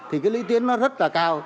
vì cái lý tiến nó rất là cao